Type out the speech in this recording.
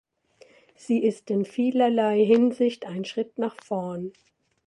Sie ist in vielerlei Hinsicht ein Schritt nach vorn.